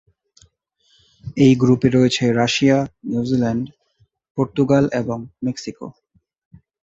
এই গ্রুপে রয়েছে রাশিয়া, নিউজিল্যান্ড, পর্তুগাল এবং মেক্সিকো।